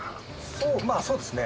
そうまあそうですね